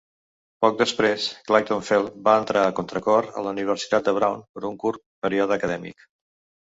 Poc després, Clayton-Felt va entrar a contracor a la Universitat de Brown per un curt període acadèmic.